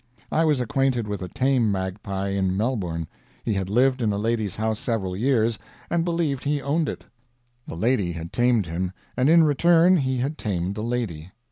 I was acquainted with a tame magpie in Melbourne. He had lived in a lady's house several years, and believed he owned it. The lady had tamed him, and in return he had tamed the lady.